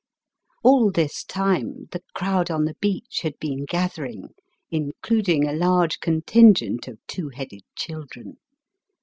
All this time the crowd on the beach had been gathering, including a large contingent of two headed children.